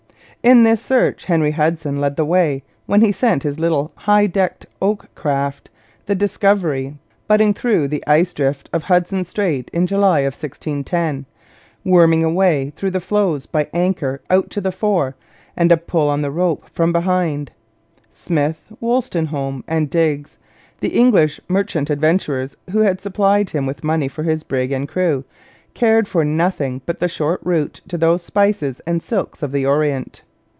In this search Henry Hudson led the way when he sent his little high decked oak craft, the Discovery, butting through the ice drive of Hudson Strait in July of 1610; 'worming a way' through the floes by anchor out to the fore and a pull on the rope from behind. Smith, Wolstenholme, and Digges, the English merchant adventurers who had supplied him with money for his brig and crew, cared for nothing but the short route to those spices and silks of the orient.